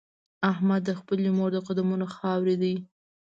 احمد د خپلې مور د قدمونو خاورې دی.